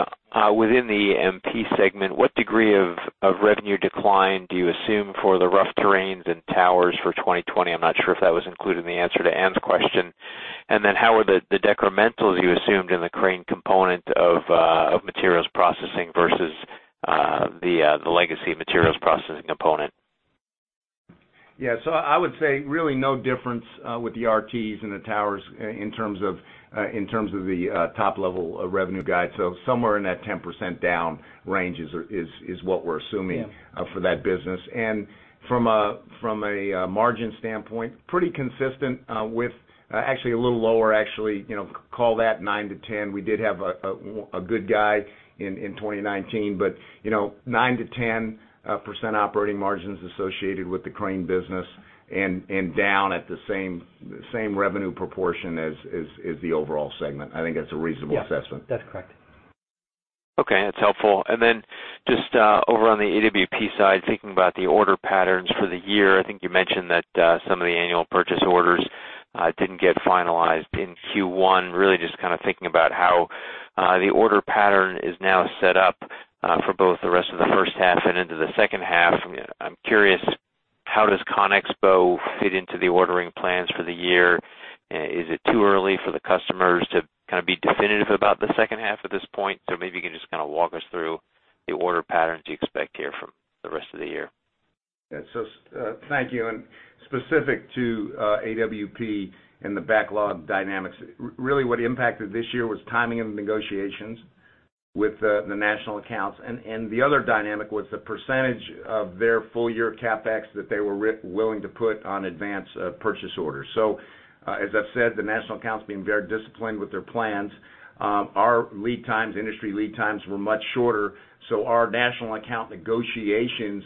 within the MP segment, what degree of revenue decline do you assume for the rough terrains and towers for 2020? I'm not sure if that was included in the answer to Ann's question. How are the decrementals you assumed in the crane component of Materials Processing versus the legacy Materials Processing component? Yeah. I would say really no difference with the RTs and the towers in terms of the top-level revenue guide. Somewhere in that 10% down range is what we're assuming. Yeah From a margin standpoint, pretty consistent with, actually a little lower, actually. Call that nine to 10. We did have a good guide in 2019, but 9%-10% operating margins associated with the crane business, and down at the same revenue proportion as the overall segment. I think that's a reasonable assessment. Yeah, that's correct. Okay, that's helpful. Just over on the AWP side, thinking about the order patterns for the year. I think you mentioned that some of the annual purchase orders didn't get finalized in Q1. Really just kind of thinking about how the order pattern is now set up for both the rest of the first half and into the second half. I'm curious, how does CONEXPO fit into the ordering plans for the year? Is it too early for the customers to kind of be definitive about the second half at this point? Maybe you can just kind of walk us through the order patterns you expect here for the rest of the year. Yeah. Thank you. Specific to AWP and the backlog dynamics, really what impacted this year was timing of the negotiations with the national accounts, and the other dynamic was the percentage of their full-year CapEx that they were willing to put on advance purchase orders. As I've said, the national accounts being very disciplined with their plans. Our lead times, industry lead times, were much shorter, so our national account negotiations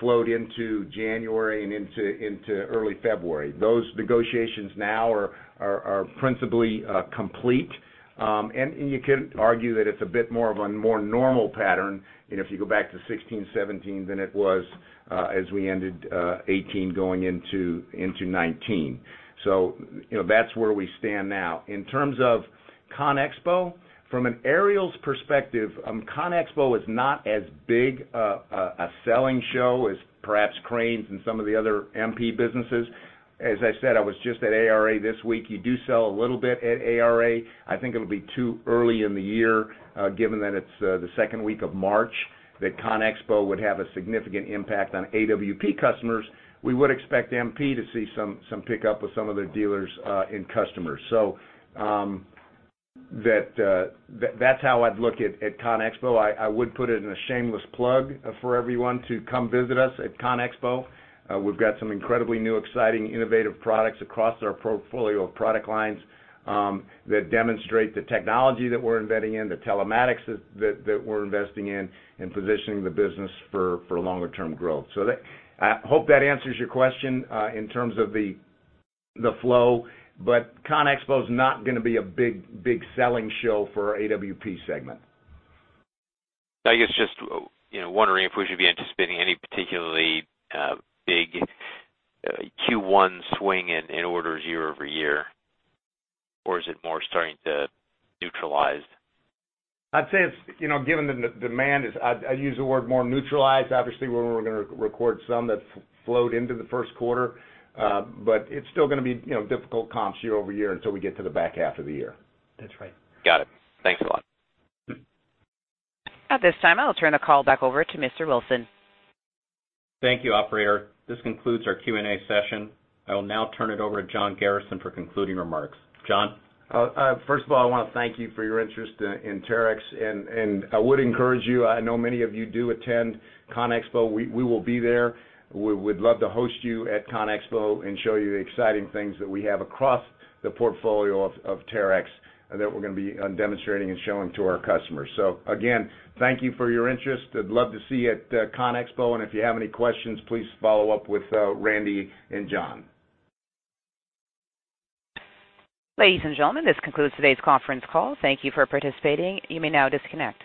flowed into January and into early February. Those negotiations now are principally complete. You can argue that it's a bit more of a more normal pattern, and if you go back to 2016, 2017, than it was as we ended 2018 going into 2019. That's where we stand now. In terms of CONEXPO, from an aerials perspective, CONEXPO is not as big a selling show as perhaps cranes and some of the other MP businesses. I said, I was just at ARA this week. You do sell a little bit at ARA. I think it'll be too early in the year, given that it's the second week of March, that CONEXPO would have a significant impact on AWP customers. We would expect MP to see some pickup with some of their dealers and customers. That's how I'd look at CONEXPO. I would put in a shameless plug for everyone to come visit us at CONEXPO. We've got some incredibly new, exciting, innovative products across our portfolio of product lines that demonstrate the technology that we're embedding in, the telematics that we're investing in, and positioning the business for longer-term growth. I hope that answers your question in terms of the flow, CONEXPO's not going to be a big selling show for our AWP segment. I guess just wondering if we should be anticipating any particularly big Q1 swing in orders year-over-year, or is it more starting to neutralize? I'd say given the demand is, I'd use the word more neutralized. Obviously, we're going to record some that flowed into the first quarter. It's still going to be difficult comps year-over-year until we get to the back half of the year. That's right. Got it. Thanks a lot. At this time, I'll turn the call back over to Mr. Wilson. Thank you, operator. This concludes our Q&A session. I will now turn it over to John Garrison for concluding remarks. John? First of all, I want to thank you for your interest in Terex, and I would encourage you, I know many of you do attend CONEXPO. We will be there. We'd love to host you at CONEXPO and show you the exciting things that we have across the portfolio of Terex that we're going to be demonstrating and showing to our customers. Again, thank you for your interest. I'd love to see you at CONEXPO, and if you have any questions, please follow up with Randy and John. Ladies and gentlemen, this concludes today's conference call. Thank you for participating. You may now disconnect.